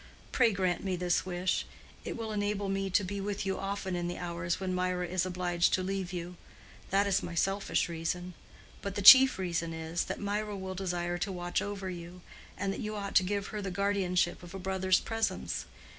Pray grant me this wish. It will enable me to be with you often in the hours when Mirah is obliged to leave you. That is my selfish reason. But the chief reason is, that Mirah will desire to watch over you, and that you ought to give her the guardianship of a brother's presence.